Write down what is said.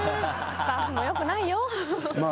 スタッフも良くないよ。